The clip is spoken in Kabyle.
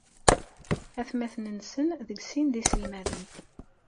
Aytmaten-nsen deg sin d iselmaden.